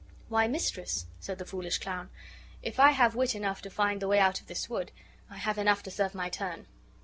"Why, mistress," said the foolish clown, "if I have wit enough to find the way out of this wood, I have enough to serve my turn."